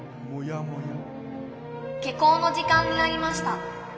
「下校の時間になりました。